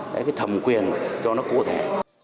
cái thẩm quyền cho nó cụ thể